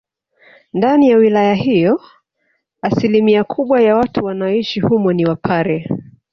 Ndani ya wilaya hiyo asilimia kubwa ya watu wanaoishi humo ni wapare